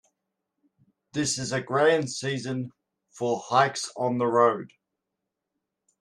This is a grand season for hikes on the road.